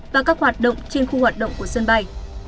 và các hoạt động trên khu hoạt động của sân bay